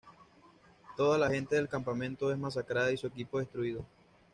Toda la gente del campamento es masacrada y su equipo destruido.